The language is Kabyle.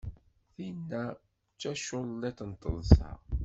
Tinna! d taculliḍt n teḍsa.